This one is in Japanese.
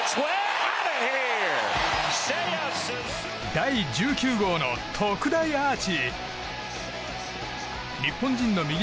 第１９号の特大アーチ。